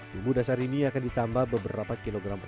bumbu dasar ini akan ditambah beberapa kilogram